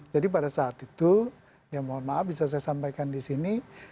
jadi pada saat itu ya mohon maaf bisa saya sampaikan di sini